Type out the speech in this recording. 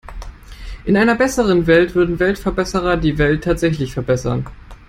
In einer besseren Welt würden Weltverbesserer die Welt tatsächlich verbessern.